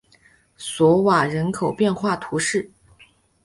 索瓦人口变化图示